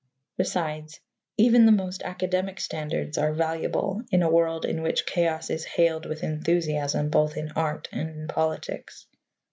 Besides, even the most academic standards are valuable in a world in which chaos is hailed with enthusiasm both in art and in politics.